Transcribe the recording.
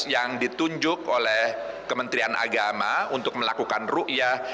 yang ditunjuk oleh kementerian agama untuk melakukan ru'yah